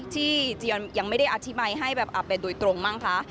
เจียนยังไม่ได้อธิบายให้แบบเป็นโดยตรงมั้งคะ